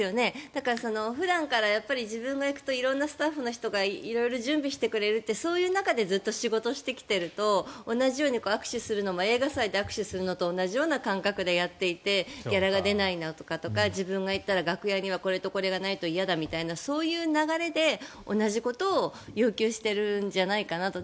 だから、普段から自分が行くと色んなスタッフの人が色々準備してくれるってそういう中で仕事をしてきていると同じように握手するのも映画祭で握手するのと同じような感覚でやっていてギャラが出ないとか自分が行ったら楽屋にはこれとこれがないと嫌だとかそういう流れで同じことを要求しているんじゃないかなと。